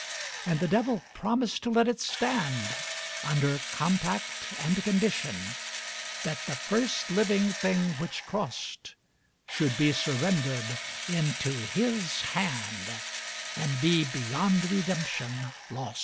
And the Devil promised to let it stand, Under compact and condition That the first living thing which crossed Should be surrendered into his hand, And be beyond redemption lost.